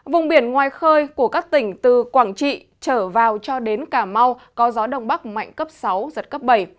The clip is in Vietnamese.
vùng biển ngoài khơi của các tỉnh từ quảng trị trở vào cho đến cà mau có gió đông bắc mạnh cấp sáu giật cấp bảy